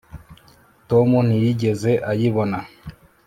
tom ntiyigeze ayibona